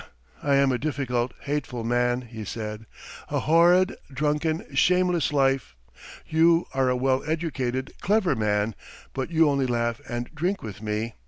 .. I am a difficult, hateful man," he said. "A horrid, drunken, shameless life. You are a well educated, clever man, but you only laugh and drink with me